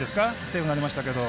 セーフになりましたけど。